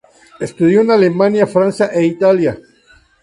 Estudió en Alemania, Francia e Italia.